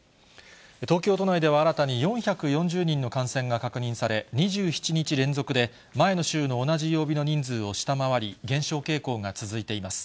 東京都内では、新たに４４０人の感染が確認され、２７日連続で前の週の同じ曜日の人数を下回り、減少傾向が続いています。